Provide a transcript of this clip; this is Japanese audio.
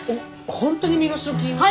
本当に身代金を。